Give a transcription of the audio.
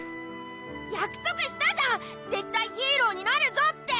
約束したじゃん「絶対ヒーローになるぞ」って！